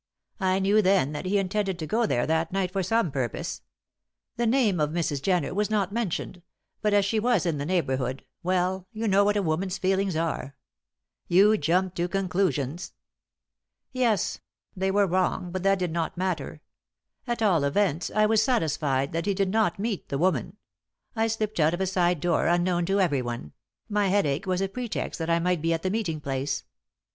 I knew then that he intended to go there that night for some purpose. The name of Mrs. Jenner was not mentioned; but as she was in the neighbourhood well, you know what a woman's feelings are!" "You jumped to conclusions?" "Yes; they were wrong, but that did not matter. At all events, I was satisfied that he did not meet the woman. I slipped out of a side door unknown to everyone; my headache was a pretext that I might be at the meeting place.